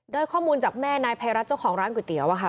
ข้อมูลจากแม่นายภัยรัฐเจ้าของร้านก๋วยเตี๋ยวอะค่ะ